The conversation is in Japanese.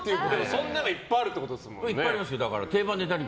そんなのいっぱいあるってことですもんね。